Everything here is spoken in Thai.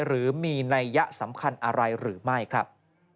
หรือมีนัยยะสำคัญอะไรหรือไม่ครับ